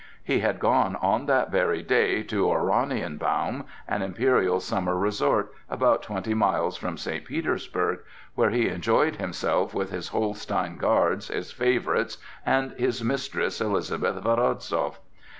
He had gone on that very day to Oranienbaum, an imperial summer resort, about twenty miles from St. Petersburg, where he enjoyed himself with his Holstein guards, his favorites, and his mistress, Elizabeth Woronzow.